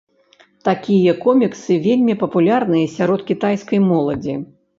Такія коміксы вельмі папулярныя сярод кітайскай моладзі.